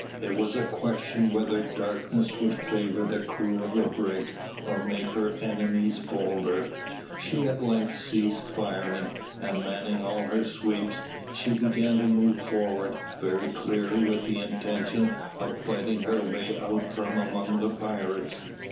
It was a question whether darkness would favour the crew of the brig, or make her enemies bolder. She at length ceased firing, and manning all her sweeps, she began to move forward, very clearly with the intention of fighting her way out from among the pirates.